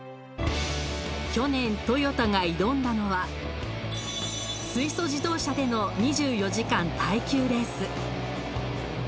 去年ＴＯＹＯＴＡが挑んだのは水素自動車での２４時間耐久レース。